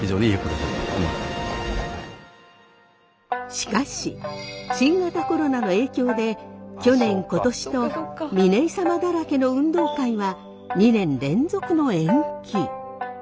しかし新型コロナの影響で去年今年と嶺井サマだらけの運動会は２年連続の延期。